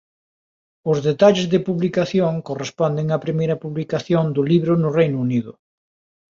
Os detalles de publicación corresponden á primeira publicación do libro no Reino Unido.